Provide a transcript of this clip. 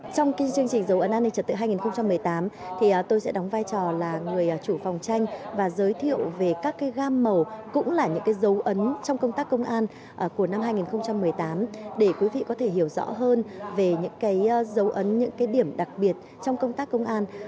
trong chương trình dấu ấn an ninh trật tự hai nghìn một mươi tám tôi sẽ đóng vai trò là người chủ phòng tranh và giới thiệu về các gam màu cũng là những dấu ấn trong công tác công an của năm hai nghìn một mươi tám để quý vị có thể hiểu rõ hơn về những dấu ấn những điểm đặc biệt trong công tác công an